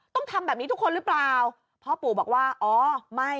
ต้องทำแบบนี้ทุกคนหรือเปล่าพ่อปู่บอกว่าอ๋อไม่